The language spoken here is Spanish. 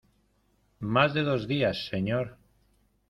¡ más de dos días, señor!